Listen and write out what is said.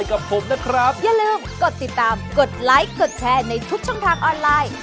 อย่าลืมกดติดตามกดไลค์กดแชร์ในทุกช่องทางออนไลน์